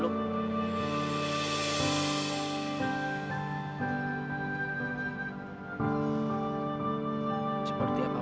seperti apapun hidup kamu